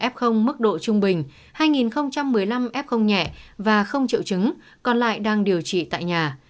hai một trăm ba mươi bảy f mức độ trung bình hai một mươi năm f nhẹ và không triệu chứng còn lại đang điều trị tại nhà